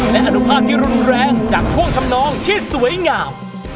และอนุภาพที่รุนแรงจากท่วงทำนองที่สวยงาม